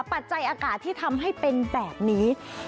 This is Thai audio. ปัจจัยอากาศที่ทำให้เป็นแบบนี้